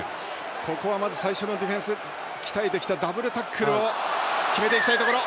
ここはまず最初のディフェンス鍛えてきたダブルタックルを決めていきたいところ。